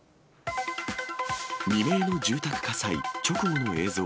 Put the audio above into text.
未明の住宅火災、直後の映像。